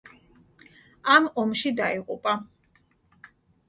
ამ ომში დაიღუპა.